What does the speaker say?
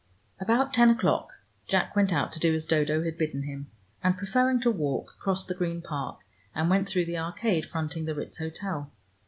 About ten o'clock Jack went out to do as Dodo had bidden him, and preferring to walk, crossed the Green Park, and went through the arcade fronting the Ritz Hotel.